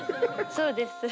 そうです。